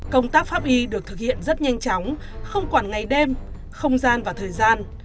công tác pháp y được thực hiện rất nhanh chóng không quản ngày đêm không gian và thời gian